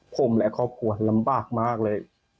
ผมและครอบครัวลำบากมากเลย